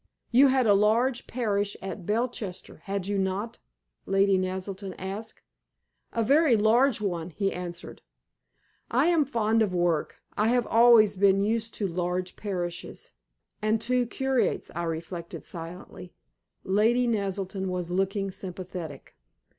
"You had a large parish at Belchester, had you not?" Lady Naselton asked. "A very large one," he answered. "I am fond of work. I have always been used to large parishes." And two curates, I reflected silently. Lady Naselton was looking sympathetic.